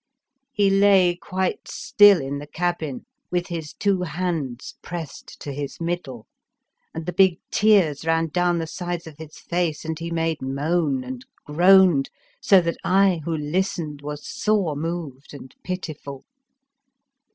He lay quite still in the cabin with his two hands pressed to his middle, and the big tears ran down the sides of his face and he made moan and groaned, so that I who listened was sore moved and pitiful.